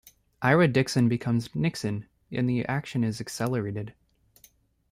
Ira Dixon becomes "Nixon," and the action is accelerated.